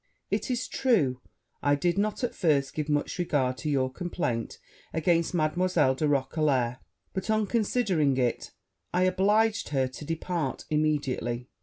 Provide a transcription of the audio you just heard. It is true, I did not at first give much regard to your complaint against Mademoiselle de Roquelair; but, on considering it, I obliged her to depart immediately.